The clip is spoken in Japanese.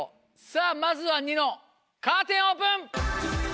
さぁまずはニノカーテンオープン！